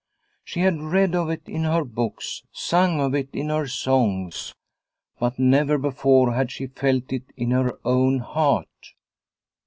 She had read of it in her books, sung of it in her songs, but never before had she felt it in her own heart.